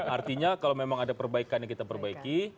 artinya kalau memang ada perbaikan yang kita perbaiki